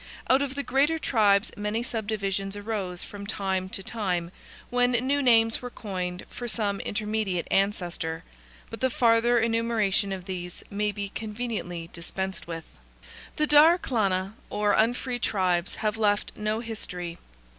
Out of the greater tribes many subdivisions arose from time to time, when new names were coined for some intermediate ancestor; but the farther enumeration of these may be conveniently dispensed with. The Daer Clanna, or unfree tribes, have left no history.